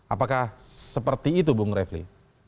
apakah seperti itu bung refli